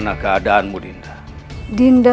nggak di milang milik waktu ini ya